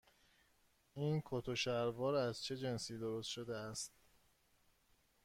این کت و شلوار از چه جنسی درست شده است؟